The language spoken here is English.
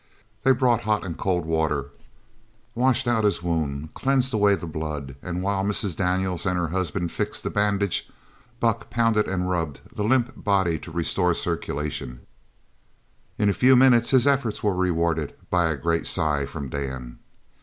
They brought hot and cold water, washed out his wound, cleansed away the blood; and while Mrs. Daniels and her husband fixed the bandage, Buck pounded and rubbed the limp body to restore the circulation. In a few minutes his efforts were rewarded by a great sigh from Dan.